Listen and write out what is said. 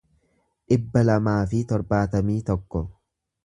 dhibba lamaa fi torbaatamii tokko